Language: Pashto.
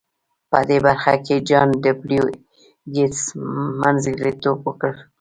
په دې برخه کې جان ډبلیو ګیټس منځګړیتوب وکړ